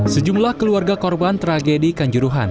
sejumlah keluarga korban tragedi kanjuruhan